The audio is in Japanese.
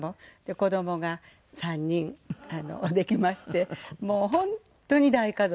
子どもが３人できましてもう本当に大家族に。